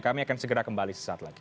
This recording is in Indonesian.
kami akan segera kembali sesaat lagi